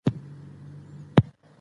که قدم ووهل شي شکر به ثابت شي.